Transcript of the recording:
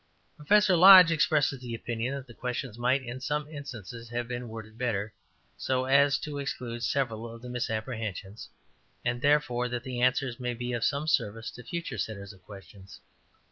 Professor Lodge expresses the opinion that the questions might in some instances have been worded better, so as to exclude several of the misapprehensions, and therefore that the answers may be of some service to future setters of questions.